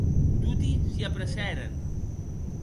Toti s’apressèren.